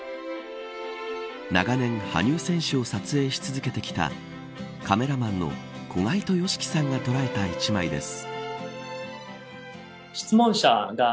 長年羽生選手を撮影し続けてきたカメラマンの小海途良幹さんが捉えた一枚です。